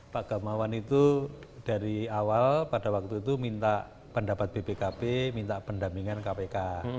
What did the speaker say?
pak gamawan itu dari awal pada waktu itu minta pendapat bpkp minta pendampingan kpk